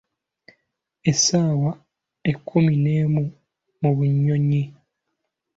Essaawa ekkumi n'emu mu bunyonyi .